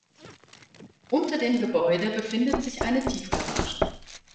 Unter dem Gebäude befindet sich eine Tiefgarage.